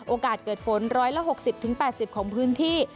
โอกาสเกิดฝน๑๖๐๘๐ของพื้นที่